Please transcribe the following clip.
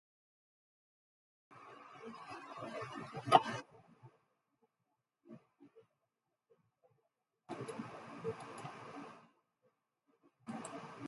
Μα μου σφύριξε ο Λουκάς και τον ακολούθησα τρεχάτος.